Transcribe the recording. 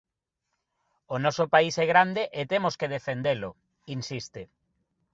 O noso país é grande e temos que defendelo, insiste.